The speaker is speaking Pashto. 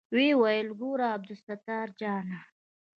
ويې ويل ګوره عبدالستار جانه.